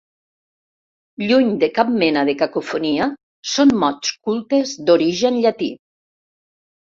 Lluny de cap mena de cacofonia, són mots cultes d'origen llatí.